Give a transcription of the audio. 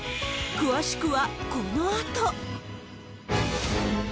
詳しくはこのあと。